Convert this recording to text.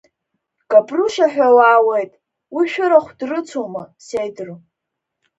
Габрушьа ҳәа уаауеит, уи шәырахә дрыцума, сеидру…